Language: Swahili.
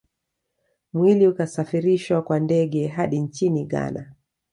Mwili ukasafirishwa kwa ndege hadi nchini Ghana